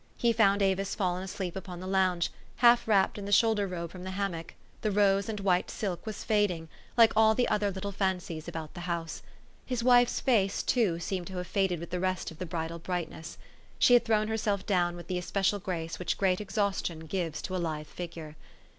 He found Avis fallen asleep upon the lounge, half wrapped in the shoulder robe from the hammock : the rose and white silk was fading, like all the other little fancies about the house. His wife's face, too, seemed to have faded with the rest of the bridal brightness. She had thrown herself down with the especial grace which great exhaustion gives to a lithe figure.